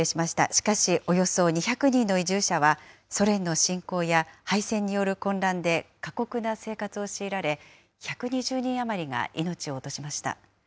しかし、およそ２００人の移住者はソ連の侵攻や敗戦による混乱で過酷な生活を強いられ、１２０人余りが命を落としました。